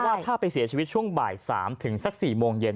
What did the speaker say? ว่าถ้าไปเสียชีวิตช่วงบ่าย๓ถึงสัก๔โมงเย็น